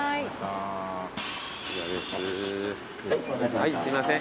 はいすいません